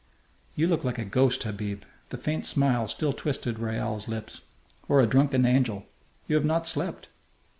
"You look like a ghost, Habib." The faint smile still twisted Raoul's lips. "Or a drunken angel. You have not slept."